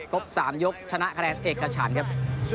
บ๓ยกชนะคะแนนเอกชันครับ